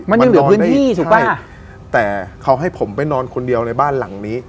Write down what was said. มันยังเหลือพื้นที่ถูกป่ะแต่เขาให้ผมไปนอนคนเดียวในบ้านหลังนี้